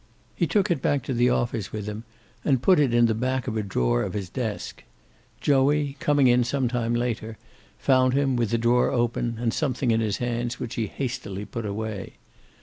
He took it back to the office with him, and put it in the back of a drawer of his desk. Joey, coming in some time later, found him, with the drawer open, and something in his hands which he hastily put away.